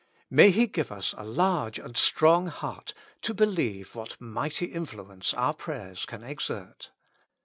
May He give us a large and strong heart to believe what mighty influ ence our prayers can exert.